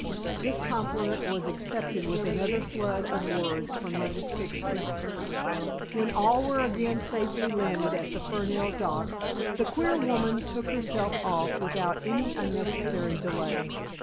This compliment was accepted with another flood of words from Mrs. Pixley. When all were again safely landed at the Fernell dock, the queer woman took herself off without any unnecessary delay.